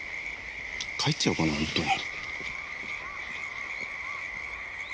帰っちゃおうかな本当に。